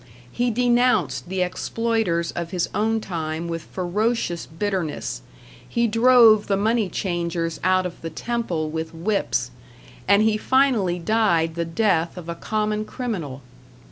He denounced the exploiters of his own time with ferocious bitterness, he drove the money changers out of the temple with whips, and he finally died the death of a common criminal.